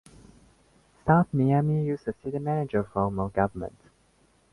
South Miami uses a city manager form of government.